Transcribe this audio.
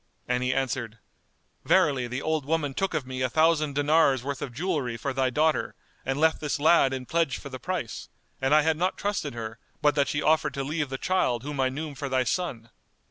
and he answered, "Verily the old woman took of me a thousand dinars' worth of jewellery for thy daughter, and left this lad in pledge for the price; and I had not trusted her, but that she offered to leave the child whom I knew for thy Son."